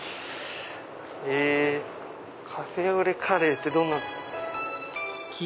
えカフェオレカレーってどんなんだろう？